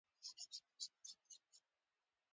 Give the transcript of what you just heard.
کلنۍ ازموینې ته لږ وخت پاتې و